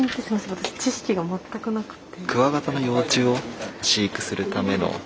私知識が全くなくて。